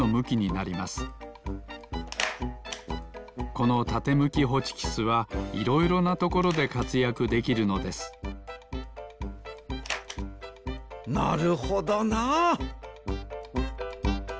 このたてむきホチキスはいろいろなところでかつやくできるのですなるほどなあ。